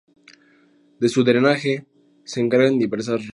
De su drenaje se encargan diversas ramblas y barrancos.